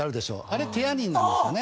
あれテアニンなんですよね。